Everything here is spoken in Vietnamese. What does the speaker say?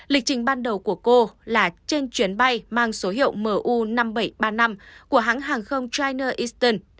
lịch trình ban đầu của cô là trên chuyến bay mang số hiệu mu năm nghìn bảy trăm ba mươi năm của hãng hàng không china iston